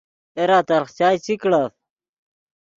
اے را تلخ چائے چی کڑف